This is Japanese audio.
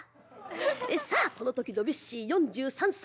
さあこの時ドビュッシー４３歳。